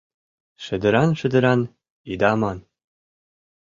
Шедыран-шедыран ида ман